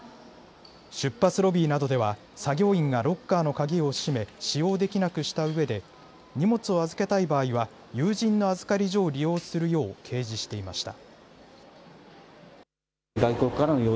出発ロビーなどでは作業員がロッカーの鍵をしめ使用できなくしたうえで、荷物を預けたい場合は有人の預かり所を利用するよう掲示していました。